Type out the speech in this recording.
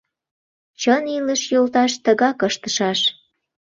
Чын илыш йолташ тыгак ыштышаш.